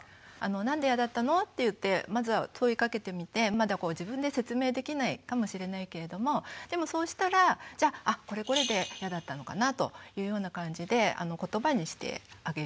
「なんでイヤだったの？」って言ってまずは問いかけてみてまだ自分で説明できないかもしれないけれどもでもそうしたらじゃあ「あこれこれでイヤだったのかな」というような感じでことばにしてあげる。